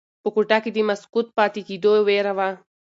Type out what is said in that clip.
په کوټه کې د مسکوت پاتې کېدو ویره وه.